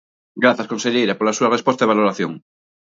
Grazas, conselleira, pola súa resposta e valoración.